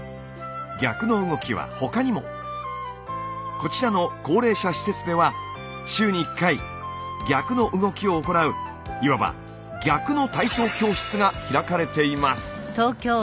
こちらの高齢者施設では週に１回逆の動きを行ういわば「逆の体操教室」が開かれています。